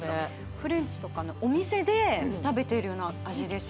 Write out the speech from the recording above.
フレンチとかのお店で食べているような味です